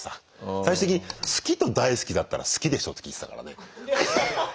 最終的に「好きと大好きだったら好きでしょ」って聞いてたからね。